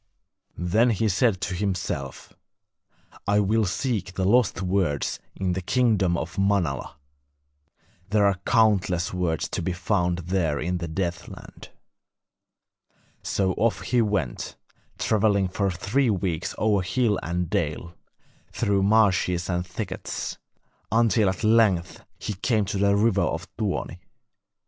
Then he said to himself: 'I will seek the lost words in the kingdom of Manala; there are countless words to be found there in the Deathland.' So off he went, travelling for three weeks over hill and dale, through marshes and thickets, until at length he came to the river of Tuoni.